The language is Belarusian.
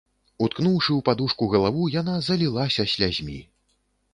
Уткнуўшы ў падушку галаву, яна залілася слязьмі.